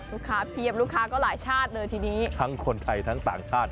เพียบลูกค้าก็หลายชาติเลยทีนี้ทั้งคนไทยทั้งต่างชาติ